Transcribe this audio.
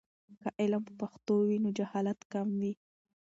که علم په پښتو وي، نو جهالت کم وي.